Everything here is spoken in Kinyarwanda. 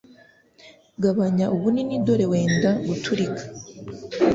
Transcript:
Gabanya ubunini dore wenda guturika